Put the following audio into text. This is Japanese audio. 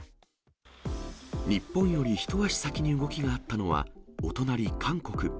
日本より一足先に動きがあったのは、お隣、韓国。